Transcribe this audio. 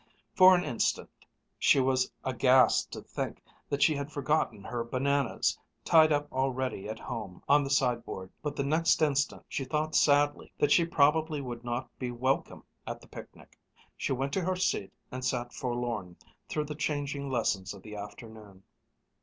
For an instant she was aghast to think that she had forgotten her bananas, tied up all ready at home on the sideboard. But the next instant she thought sadly that she probably would not be welcome at the picnic. She went to her seat and sat forlorn through the changing lessons of the afternoon.